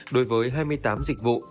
đối với hai mươi tám dịch vụ